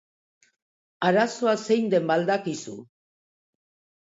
Arazoa zein den ba al dakizu?